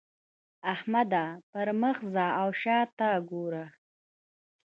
احمده! پر مخ ځه او شا ته ګوره.